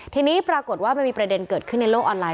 ทีนี้ปรากฏว่ามันมีประเด็นเกิดขึ้นในโลกออนไลน